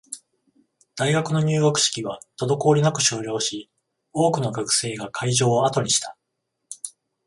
大学の入学式は滞りなく終了し、多くの学生が会場を後にした